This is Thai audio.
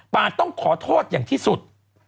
ต้องขอโทษอย่างที่สุด